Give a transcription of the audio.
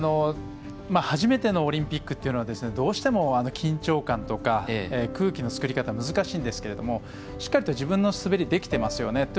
初めてのオリンピックというのはどうしても緊張感とか空気の作り方が難しいんですがしっかりと自分の滑りをできていますよね。